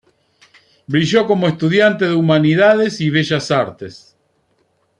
Brilló como estudiante de Humanidades y Bellas Artes.